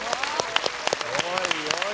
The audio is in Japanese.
おいおい。